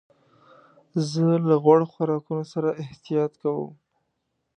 زه له غوړو خوراکونو سره احتياط کوم.